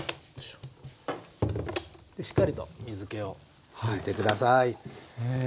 しっかりと水けを拭いて下さい。